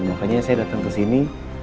makanya saya datang ke sini